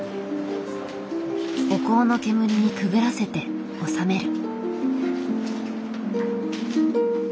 お香の煙にくぐらせて納める。